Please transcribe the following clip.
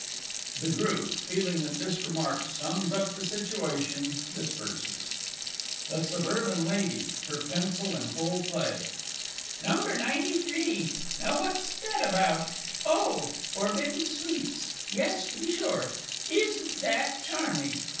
[The Group, feeling that this remark sums up the situation, disperses. THE SUBURBAN LADY (her pencil in full play). No. 93. Now what's that about? Oh, "Forbidden Sweets," yes, to be sure. Isn't that charming?